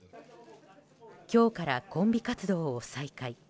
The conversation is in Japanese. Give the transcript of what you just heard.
今日からコンビ活動を再開。